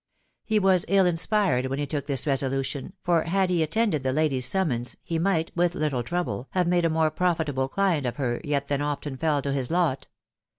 He was ill inspired when he took this resolution, for had he attended the lady's summons, he might, with little trouble, have made a more profitable client of her yet than often fell to his lot.